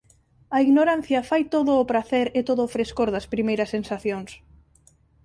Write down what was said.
A ignorancia fai todo o pracer e todo o frescor das primeiras sensacións.